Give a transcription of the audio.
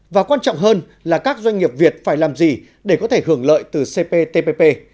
và quan trọng hơn là các doanh nghiệp việt phải làm gì để có thể hưởng lợi từ cptpp